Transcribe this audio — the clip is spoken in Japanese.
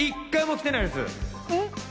１回も来てないです。